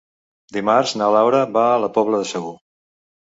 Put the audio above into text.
Dimarts na Laura va a la Pobla de Segur.